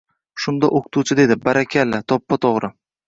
Shunda o‘qituvchi dedi: – Barakalla! To‘ppa-to‘g‘ri!